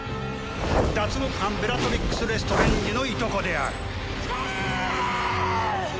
「脱獄犯ベラトリックス・レストレンジのいとこである」